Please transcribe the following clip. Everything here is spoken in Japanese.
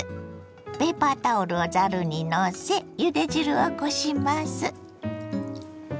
ペーパータオルをざるにのせゆで汁をこします。